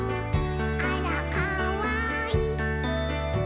「あらかわいい！」